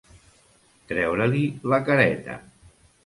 Treure-li la careta.